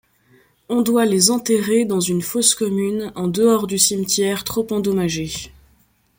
On doit les enterrer dans une fosse commune en dehors du cimetière trop endommagé.